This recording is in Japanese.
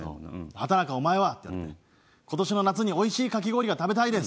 「畠中お前は？」って言われて「今年の夏に美味しいかき氷が食べたいです」。